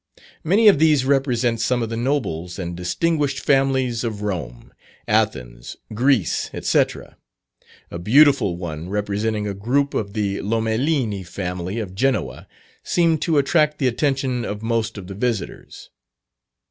Many of these represent some of the nobles, and distinguished families of Rome, Athens, Greece, &c. A beautiful one representing a group of the Lomellini family of Genoa, seemed to attract the attention of most of the visitors.